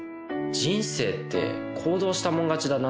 人生って行動したもん勝ちだなって。